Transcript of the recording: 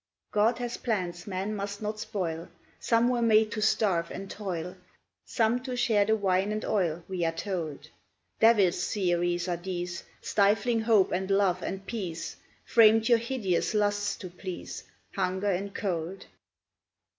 God has plans man must not spoil, Some were made to starve and toil, Some to share the wine and oil, We are told: Devil's theories are these, Stifling hope and love and peace, Framed your hideous lusts to please, Hunger and Cold!